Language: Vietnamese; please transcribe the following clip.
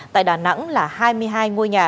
tại đà nẵng là hai mươi hai ngôi nhà